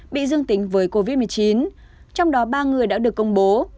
bị dương tính với covid một mươi chín trong đó ba người đã được công bố